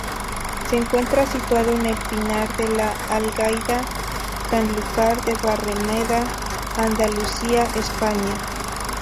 Se encuentra situado en el Pinar de La Algaida, Sanlúcar de Barrameda, Andalucía, España.